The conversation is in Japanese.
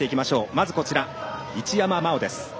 まず、一山麻緒です。